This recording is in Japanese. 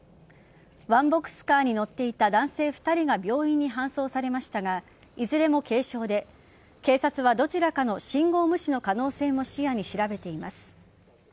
ワンボックスカーに乗っていた男性２人が病院に搬送されましたがいずれも軽傷で警察はどちらかの信号無視の可能性も視野に調べています。